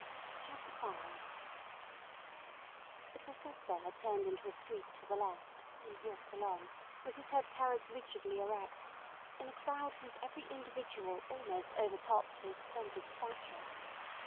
CHAPTER V The Professor had turned into a street to the left, and walked along, with his head carried rigidly erect, in a crowd whose every individual almost overtopped his stunted stature.